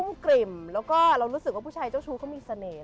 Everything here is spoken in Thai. กริ่มแล้วก็เรารู้สึกว่าผู้ชายเจ้าชู้เขามีเสน่ห